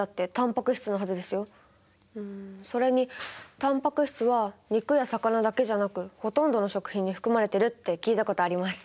うんそれにタンパク質は肉や魚だけじゃなくほとんどの食品に含まれているって聞いたことあります。